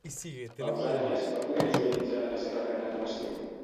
Pausànies va poder visualitzar la seva gran adoració?